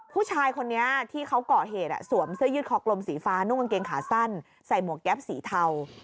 ผู้ชายคนนี้ที่เขาก่อเหตุสวมเสื้อยืดคอกลมสีฟ้านุ่งกางเกงขาสั้นใส่หมวกแก๊ปสีเทา